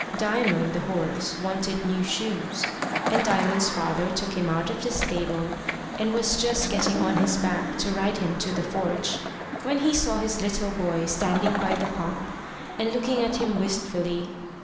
Diamond the horse wanted new shoes, and Diamond's father took him out of the stable, and was just getting on his back to ride him to the forge, when he saw his little boy standing by the pump, and looking at him wistfully.